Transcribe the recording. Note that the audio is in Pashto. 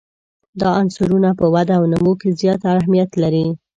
دا عنصرونه په وده او نمو کې زیات اهمیت لري.